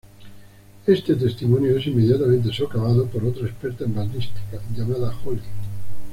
Este testimonio es inmediatamente socavado por otra experta en balística llamada Holly.